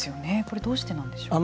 これどうしてなんでしょう？